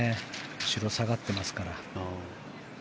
後ろ下がってますから。